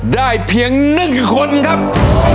ได้เพียง๑คนครับ